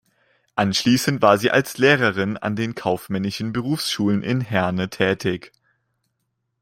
Anschließend war sie als Lehrerin an den Kaufmännischen Berufsschulen in Herne tätig.